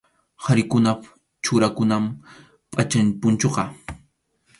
Qharikunap churakunan pʼacham punchuqa.